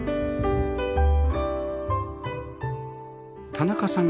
田中さん